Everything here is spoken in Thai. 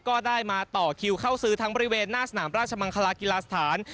ก็ได้มาต่อคิวเข้าซื้อทั้งบริเวณหน้าสนามราชมังคลากีฬาสถาน